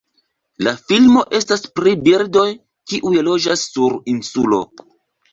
La filmo estas pri birdoj, kiuj loĝas sur insulo.